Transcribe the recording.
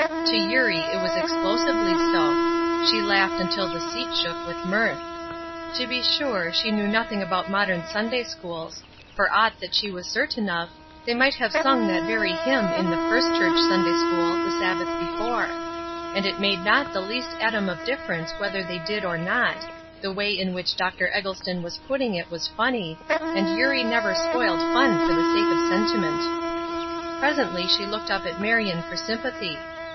To Eurie it was explosively so; she laughed until the seat shook with mirth. To be sure, she knew nothing about modern Sunday schools; for aught that she was certain of, they might have sung that very hymn in the First Church Sunday school the Sabbath before; and it made not the least atom of difference whether they did or not; the way in which Dr. Eggleston was putting it was funny, and Eurie never spoiled fun for the sake of sentiment. Presently she looked up at Marion for sympathy.